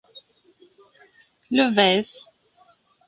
Le Vs.